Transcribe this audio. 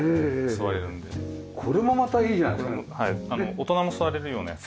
大人も座れるようなやつ。